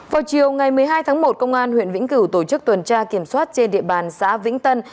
vào chiều ngày một mươi hai tháng một công an huyện vĩnh cửu tổ chức tuần tra kiểm soát trên địa bàn xã vĩnh tân